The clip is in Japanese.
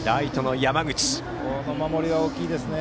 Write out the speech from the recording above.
この守りは大きいですね。